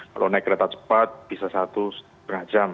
kalau naik kereta cepat bisa satu setengah jam